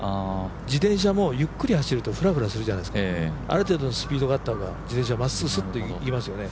自転車もゆっくり走るとフラフラするじゃないですか、ある程度のスピードがあった方が自転車はまっすぐ、すっと行きますよね。